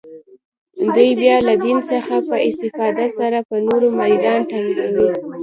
دوی بیا له دین څخه په استفاده سره پر نورو میدان تنګوي